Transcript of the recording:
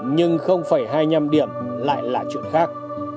nhưng không phải hai mươi năm điểm lại là chuyện khác